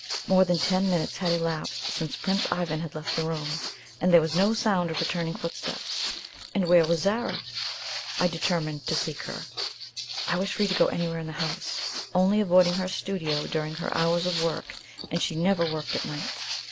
More than ten minutes had elapsed since Prince Ivan had left the room, and there was no sound of returning footsteps. And where was Zara? I determined to seek her. I was free to go anywhere in the house, only avoiding her studio during her hours of work; and she never worked at night.